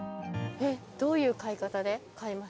どういう買い方で買います？